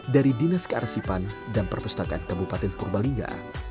dari dinas kearesipan dan perpustakaan kabupaten kurbalinga